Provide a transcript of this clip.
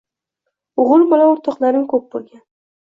O‘g‘il bola o‘rtoqlarim ko‘p bo‘lgan